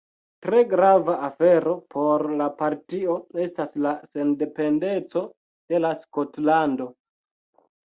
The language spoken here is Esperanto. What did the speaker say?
Tre grava afero por la partio estas la sendependeco de la Skotlando.